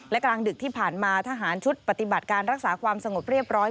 และกลางดึกที่ผ่านมาทหารชุดปฏิบัติการรักษาความสงบเรียบร้อย